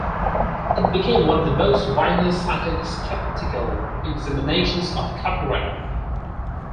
It became one of the most widely cited skeptical examinations of copyright.